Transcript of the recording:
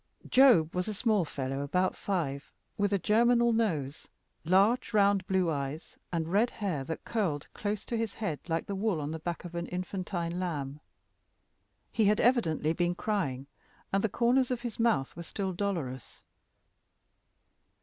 Job was a small fellow about five, with a germinal nose, large round blue eyes, and red hair that curled close to his head like the wool on the back of an infantine lamb. He had evidently been crying, and the corners of his mouth were still dolorous.